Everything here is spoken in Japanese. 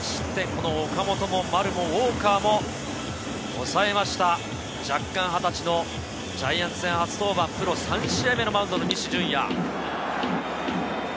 この岡本も丸もウォーカーもおさえました、弱冠２０歳のジャイアンツ戦初登板、プロ３試合目のマウンドの西純矢。